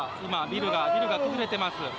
今ビルがビルが崩れてます。